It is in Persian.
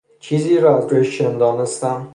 چیزی را از روی شم دانستن